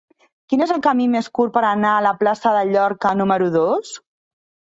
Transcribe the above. Quin és el camí més curt per anar a la plaça de Llorca número dos?